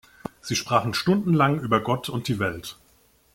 Sie sprachen stundenlang über Gott und die Welt.